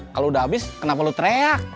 kalau udah habis kenapa lo tereyak